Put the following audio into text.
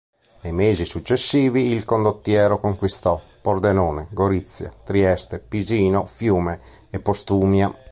Nei mesi successivi il condottiero conquistò Pordenone, Gorizia, Trieste, Pisino, Fiume e Postumia.